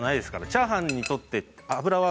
チャーハンにとっては。